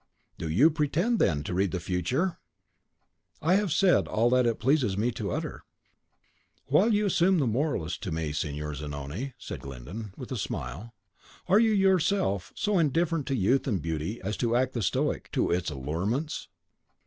"Do you pretend, then, to read the future?" "I have said all that it pleases me to utter." "While you assume the moralist to me, Signor Zanoni," said Glyndon, with a smile, "are you yourself so indifferent to youth and beauty as to act the stoic to its allurements?"